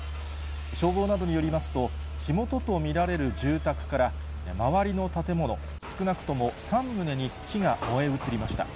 消防などによりますと、火元と見られる住宅から、周りの建物、少なくとも３棟に火が燃え移りました。